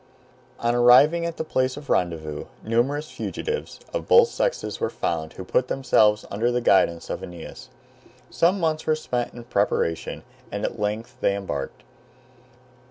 On arriving at the place of rendezvous, numerous fugitives, of both sexes, were found, who put themselves under the guidance of Aeneas. Some months were spent in preparation, and at length they embarked.